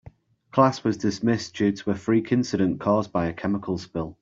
Class was dismissed due to a freak incident caused by a chemical spill.